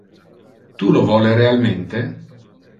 Tu lo vole realmente?